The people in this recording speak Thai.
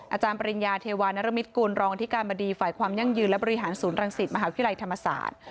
อาจารย์ปริญญาเทวานรมิตกุลรองอธิการบดีฝ่ายความยั่งยืนและบริหารศูนย์รังสิตมหาวิทยาลัยธรรมศาสตร์